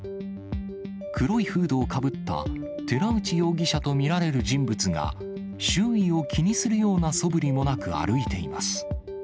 黒いフードをかぶった寺内容疑者と見られる人物が、周囲を気にするようなそぶりもなく歩いています。